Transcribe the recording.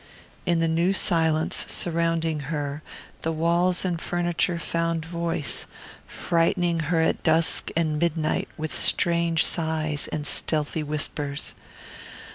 In the new silence surrounding her the walls and furniture found voice, frightening her at dusk and midnight with strange sighs and stealthy whispers.